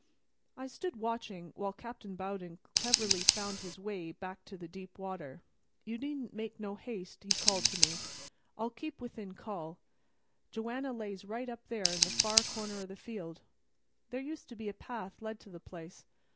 I stood watching while Captain Bowden cleverly found his way back to deeper water. "You needn't make no haste," he called to me; "I'll keep within call. Joanna lays right up there in the far corner o' the field. There used to be a path led to the place.